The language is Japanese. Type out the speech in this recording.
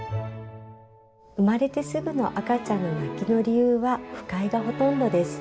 生まれてすぐの赤ちゃんの泣きの理由は不快がほとんでです。